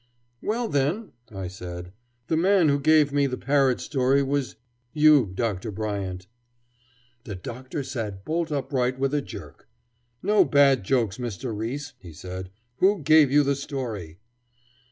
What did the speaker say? "Well, then," I said, "the man who gave me the parrot story was you, Dr. Bryant." The Doctor sat bolt upright with a jerk. "No bad jokes, Mr. Riis," he said. "Who gave you the story?"